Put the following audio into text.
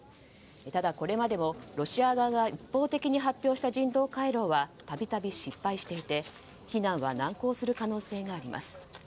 ただ、これまでもロシア側が一方的に発表した人道回廊は度々失敗していて避難は難航する可能性があります。